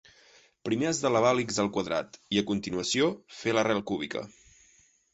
Primer has d'elevar l'x al quadrat i, a continuació, fer l'arrel cúbica.